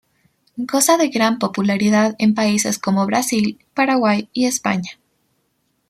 Goza de gran popularidad en países como Brasil, Paraguay y España.